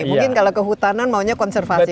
mungkin kalau kehutanan maunya konservasi